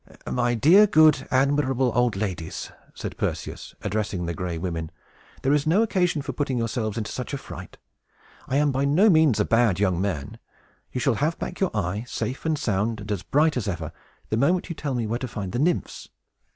"My dear, good, admirable old ladies," said Perseus, addressing the Gray Women, "there is no occasion for putting yourselves into such a fright. I am by no means a bad young man. You shall have back your eye, safe and sound, and as bright as ever, the moment you tell me where to find the Nymphs."